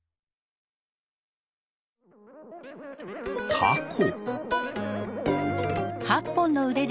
タコ。